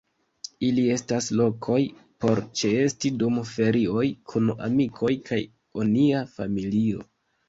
Ili estas lokoj por ĉeesti dum ferioj kun amikoj kaj onia familio.